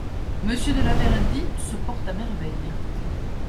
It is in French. Monsieur de Laverdy se porte à merveille.